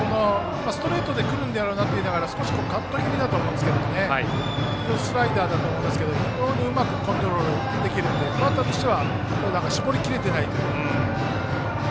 ストレートで来るんだろうなと思いながら少しカット気味だと思うんですけどスライダーだと思いますけどうまくコントロールできるのでバッターとしては絞りきれてないという。